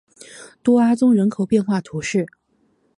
多阿宗人口变化图示